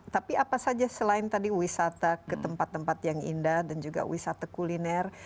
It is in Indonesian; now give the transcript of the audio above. tapi apa saja selain tadi wisata ke tempat tempat yang indah dan juga wisata kuliner